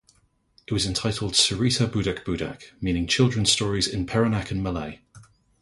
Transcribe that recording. It was entitled Cerita Budak-Budak, meaning "Children's Stories" in Peranakan Malay.